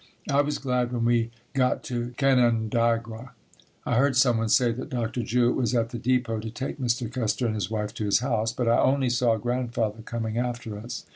I was glad when we got to Canandaigua. I heard some one say that Dr. Jewett was at the depôt to take Mr. Custer and his wife to his house, but I only saw Grandfather coming after us.